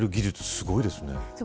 すごいですね。